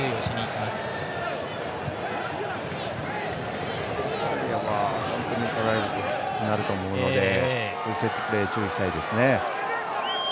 きつくなると思うのでセットプレー注意したいですね。